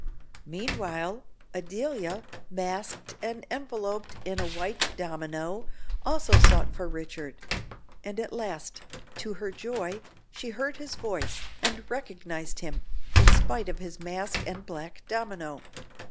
Meanwhile, Adelia, masked and enveloped in a white domino, also sought for Richard; and at last, to her joy, she heard his voice, and recognised him, in spite of his mask and black domino.